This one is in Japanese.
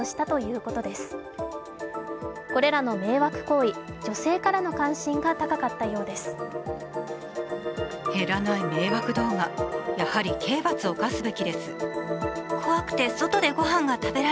これらの迷惑行為、女性からの関心が高かったようです。